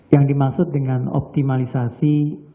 yang dimaksud dengan optimalisasi